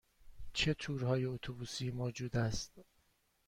چه تورهای اتوبوسی موجود است؟